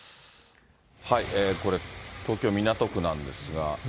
これ、東京・港区なんですが。